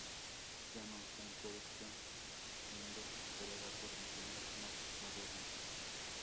Ya no está en producción, siendo superada por diseños más modernos.